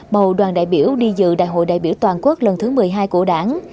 bầu đoàn đại biểu đi dự đại hội đại biểu toàn quốc lần thứ một mươi hai của đảng